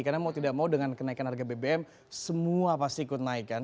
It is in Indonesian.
karena mau tidak mau dengan kenaikan harga bbm semua pasti ikut naik kan